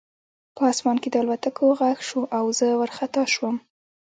په آسمان کې د الوتکو غږ شو او زه وارخطا شوم